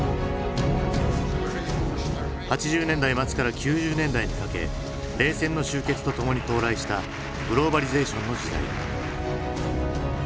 ８０年代末から９０年代にかけ冷戦の終結とともに到来したグローバリゼーションの時代。